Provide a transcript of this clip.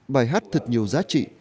bài hát thật nhiều giá trị